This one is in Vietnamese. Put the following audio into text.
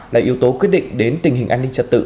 là yếu tố quyết định đến tình hình an ninh trật tự